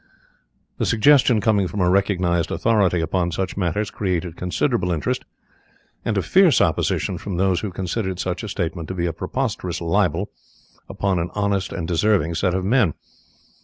The suggestion coming from a recognized authority upon such matters created considerable interest, and a fierce opposition from those who considered such a statement to be a preposterous libel upon an honest and deserving set of men.